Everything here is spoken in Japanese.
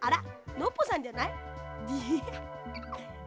ノッポさんじゃない？ハハハ。